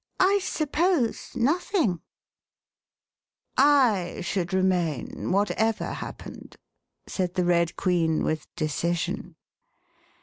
! suppose nothing ""/ should remain, whatever happened," said the Red Queen, with decision.